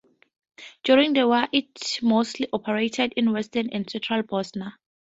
During the war it mostly operated in western and central Bosnia.